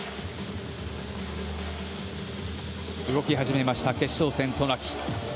動き始めました決勝戦、渡名喜。